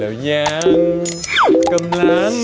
วันนี้คุณก็อยากวาง